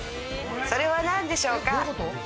それは何でしょうか？